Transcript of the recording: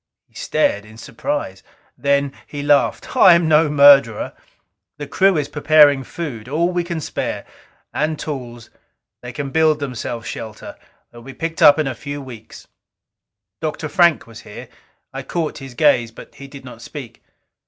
He stared in surprise. Then he laughed. "I am no murderer. The crew is preparing food, all we can spare. And tools. They can build themselves shelter they will be picked up in a few weeks." Dr. Frank was here. I caught his gaze but he did not speak.